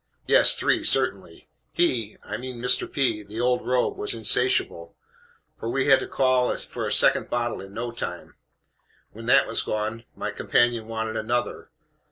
Yes, three, certainly. HE I mean Mr. P. the old rogue, was insatiable: for we had to call for a second bottle in no time. When that was gone, my companion wanted another.